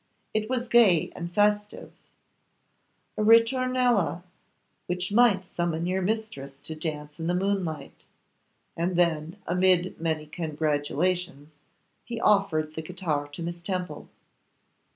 It was gay and festive, a Ritornella which might summon your mistress to dance in the moonlight. And then, amid many congratulations, he offered the guitar to Miss Temple.